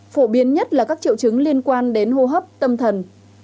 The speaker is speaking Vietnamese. phổ biến nhất là các triệu chứng liên quan đến hô hấp tâm thần